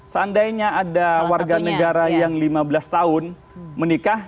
seandainya ada warga negara yang lima belas tahun menikah